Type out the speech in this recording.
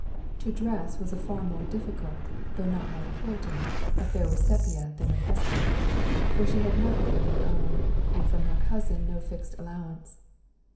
To dress was a far more difficult, though not more important, affair with Sepia than with Hesper, for she had nothing of her own, and from, her cousin no fixed allowance.